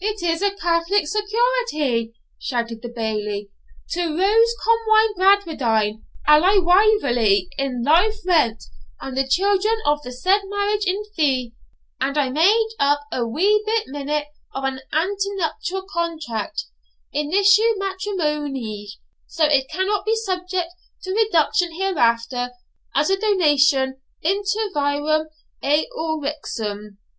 'It is a catholic security,' shouted the Bailie,' to Rose Comyne Bradwardine, alias Wauverley, in life rent, and the children of the said marriage in fee; and I made up a wee bit minute of an antenuptial contract, intuitu matrimonij, so it cannot be subject to reduction hereafter, as a donation inter virum et uxorem.'